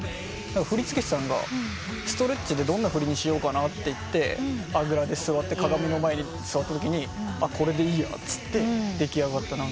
振付師さんがストレッチでどんな振りにしようかってあぐらで鏡の前に座ったときにこれでいいやって出来上がった。